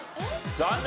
残念。